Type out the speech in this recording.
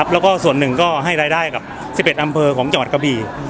แล้วก็ส่วนหนึ่งก็ให้รายได้กับ๑๑อำเภอของจังหวัดกะบี่